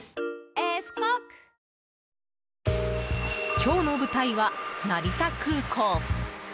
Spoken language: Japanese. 今日の舞台は、成田空港。